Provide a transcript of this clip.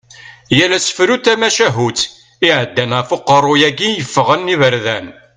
Yal asefru d tamacahutt iɛeddan ɣef uqerru-yagi yeffɣen iberdan.